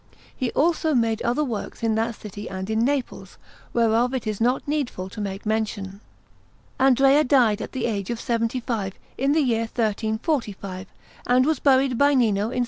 He also made other works in that city and in Naples, whereof it is not needful to make mention. Andrea died at the age of seventy five, in the year 1345, and was buried by Nino in S.